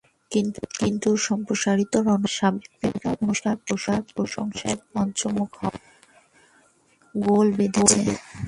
কিন্তু সম্প্রতি রণবীর তাঁর সাবেক প্রেমিকা আনুশকার প্রশংসায় পঞ্চমুখ হওয়ায় গোল বেধেছে।